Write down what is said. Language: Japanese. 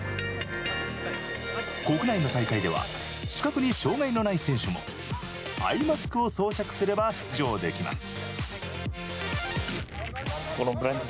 国内の大会では視覚に障害がない選手もアイマスクを装着すれば出場できます。